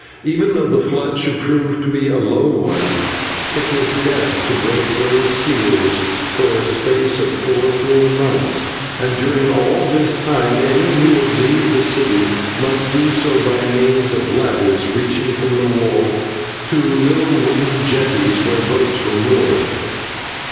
Even though the flood should prove to be a low one, it was death to break those seals for a space of four full months, and during all this time any who would leave the city must do so by means of ladders reaching from the wall to little wooden jetties, where boats were moored.